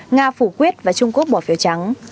nga phủ quyết và trung quốc bỏ phiếu trắng